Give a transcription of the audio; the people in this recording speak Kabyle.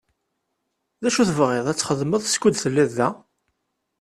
D acu i tebɣiḍ ad txedmeḍ skud telliḍ da?